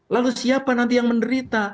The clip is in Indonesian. lalu siapa nanti yang menderita